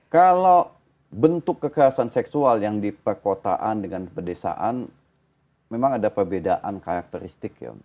kalau bentuk kekerasan seksual yang di perkotaan dengan pedesaan memang ada perbedaan karakteristik ya